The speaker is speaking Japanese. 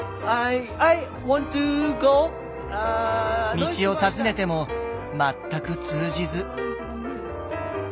道を尋ねても全く通じず。